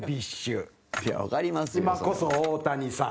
今こそ、大谷さん。